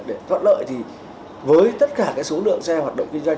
để thoát lợi thì với tất cả số lượng xe hoạt động kinh doanh